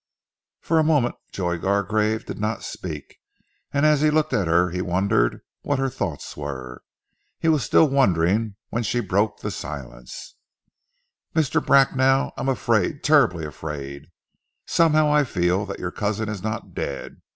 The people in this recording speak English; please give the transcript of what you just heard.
For a moment Joy Gargrave did not speak, and as he looked at her he wondered what her thoughts were. He was still wondering when she broke the silence. "Mr. Bracknell, I am afraid, terribly afraid. Somehow I feel that your cousin is not dead.